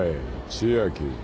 千秋。